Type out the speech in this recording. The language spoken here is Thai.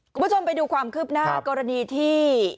คุณผู้ชมไปดูความคืบหน้ากรณีที่